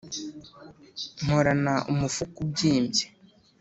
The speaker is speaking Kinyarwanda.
mporana umufuka ubyimbye